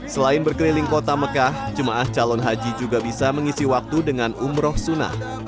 selain berkeliling kota mekah jemaah calon haji juga bisa mengisi waktu dengan umroh sunnah